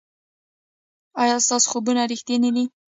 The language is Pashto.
ایا ستاسو خوبونه ریښتیني دي؟